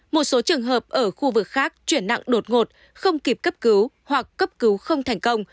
một số trường hợp ở khu vực khác chuyển nặng đột ngột không kịp cấp cứu hoặc cấp cứu không thành công